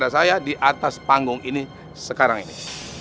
sampai jumpa lagi